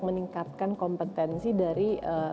meningkatkan kompetensi dari